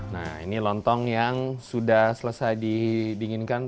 nah ini lontong yang sudah selesai didinginkan